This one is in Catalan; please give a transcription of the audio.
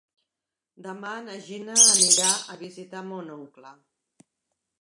Demà na Gina anirà a visitar mon oncle.